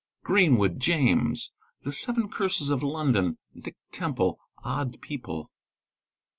Greenwood (James).—The Seven Curses of London.—Dick Teraple. Odd People.